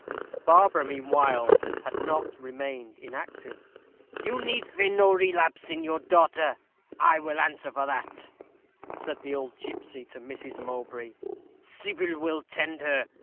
Barbara, meanwhile, had not remained inactive. "You need fear no relapse in your daughter; I will answer for that," said the old gipsy to Mrs. Mowbray; "Sybil will tend her.